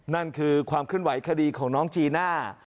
นั่นคือความเคลื่อนไหวคดีของน้องจีน่า